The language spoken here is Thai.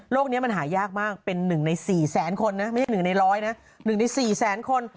นี้มันหายากมากเป็น๑ใน๔แสนคนนะไม่ใช่๑ใน๑๐๐นะ๑ใน๔แสนคน